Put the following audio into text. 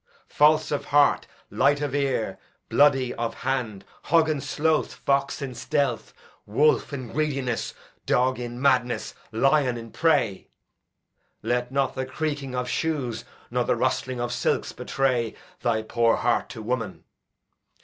False of heart, light of ear, bloody of hand; hog in sloth, fox in stealth, wolf in greediness, dog in madness, lion in prey. Let not the creaking of shoes nor the rustling of silks betray thy poor heart to woman.